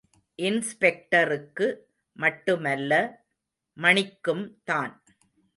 இன்ஸ்பெக்டருக்கு மட்டுமல்ல, மணிக்கும்தான்.